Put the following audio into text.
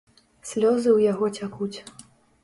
Слёзы ў яго цякуць.